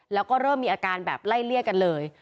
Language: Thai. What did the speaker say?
แล้วก็เริ่มมีอาการแบบไล่เลี่ยกันเลย